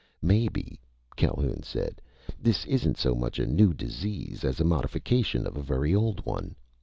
"Maybe," Calhoun said, "this isn't so much a new disease as a modification of a very old one.